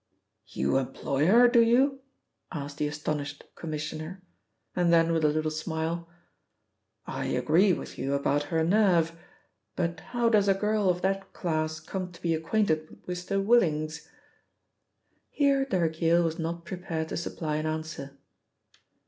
"You employ her, do you?" asked the astonished Commissioner, and then with a little smile, "I agree with you about her nerve, but how does a girl of that class come to be acquainted with Mr. Willings?" Here Derrick Yale was not prepared to supply an answer.